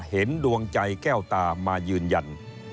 เห็นดวงใจแก้วตามายืนยัน